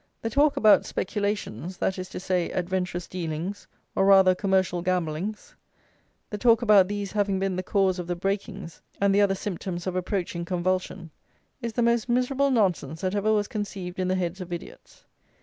The talk about "speculations"; that is to say, adventurous dealings, or, rather, commercial gamblings; the talk about these having been the cause of the breakings and the other symptoms of approaching convulsion is the most miserable nonsense that ever was conceived in the heads of idiots.